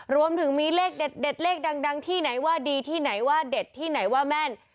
รวมถึงมีเลขเด็ดเลขดังที่ไหนว่าดีที่ไหนว่าเด็ดที่ไหนว่าแม่น